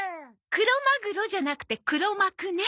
クロマグロじゃなくて黒幕ね。